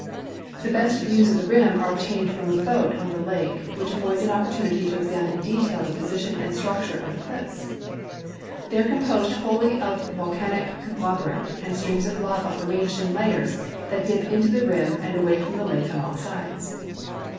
The best views of the rim are obtained from a boat on the lake, which affords an op]K)rtunity to examine in detail the ])osition and structure of the cliifs. They are composed wholly of vol canic conglomerate and streams of lava arranged in layers that dip into the rim and away irom the lake on all sides.